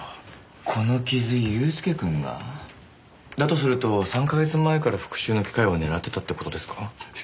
この傷祐介くんが？だとすると３か月前から復讐の機会を狙ってたって事ですか？